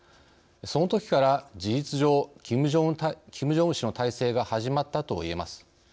その時から事実上キム・ジョンウン氏の体制が始まったといえます。